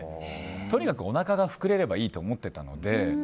とにかくおなかが膨れればいいと思ってたので。